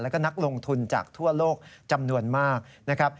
แล้วก็นักลงทุนจากทั่วโลกจำนวนมากนะครับ